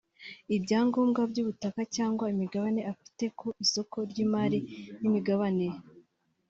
ibyangombwa by’ubutaka cyangwa imigabane afite ku isoko ry’imari n’imigabane